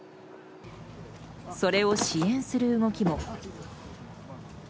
それを支援する動きも。